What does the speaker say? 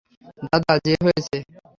দাদা যে হয়েছে।